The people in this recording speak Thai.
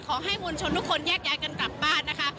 ขอให้มวลชนทุกคนแยกย้ายกันกลับบ้านนะคะ